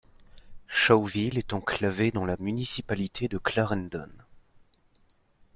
Shawville est enclavée dans la municipalité de Clarendon.